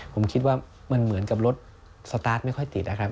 ผมคิดว่ามันเหมือนกับรถสตาร์ทไม่ค่อยติดนะครับ